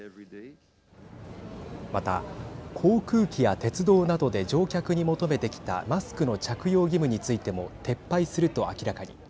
また、航空機や鉄道などで乗客に求めてきたマスクの着用義務についても撤廃すると明らかに。